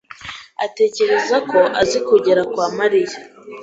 atekereza ko azi kugera kwa Mariya.